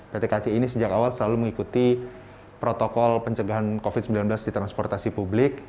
pt kci ini sejak awal selalu mengikuti protokol pencegahan covid sembilan belas di transportasi publik